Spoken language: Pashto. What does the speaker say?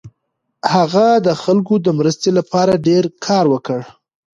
هغه د خلکو د مرستې لپاره ډېر کار وکړ.